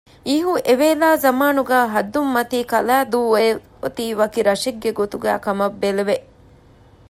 އިހު އެވޭލާ ޒަމާނުގައި ހައްދުންމަތީ ކަލައިދޫ އޮތީ ވަކި ރަށެއްގެ ގޮތުގައިކަމަށް ބެލެވެ